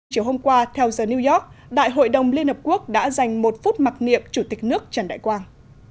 chiều hôm qua theo giờ new york đại hội đồng liên hợp quốc đã dành một phút mặc niệm chủ tịch nước trần đại quang